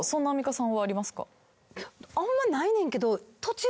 あんまないねんけど。